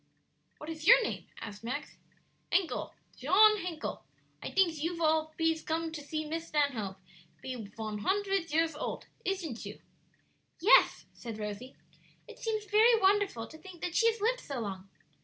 "What is your name?" asked Max. "Hencle Shon Hencle. I dinks you all pees come to see Miss Stanhope pe von huntred years olt; ishn't you?" "Yes," said Rosie. "It seems very wonderful to think that she has lived so long."